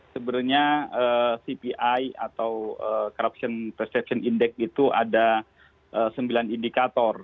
sebenarnya cpi atau corruption perception index itu ada sembilan indikator